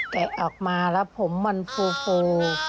แต่ออกมาแล้วผมมันฟู